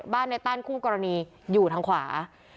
ในตั้นคู่กรณีอยู่ทางขวา